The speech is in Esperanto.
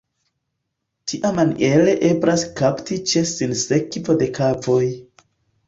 Tiamaniere eblas kapti ĉe sinsekvo de kavoj.